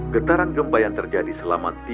getaran gempa yang terjadi selama